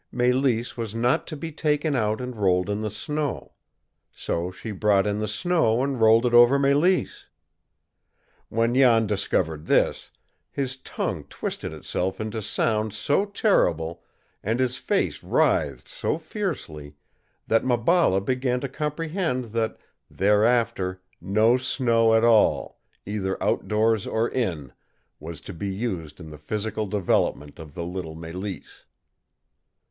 Mélisse was not to be taken out and rolled in the snow; so she brought in the snow and rolled it over Mélisse! When Jan discovered this, his tongue twisted itself into sounds so terrible, and his face writhed so fiercely, that Maballa began to comprehend that thereafter no snow at all, either out doors or in, was to be used in the physical development of the little Mélisse.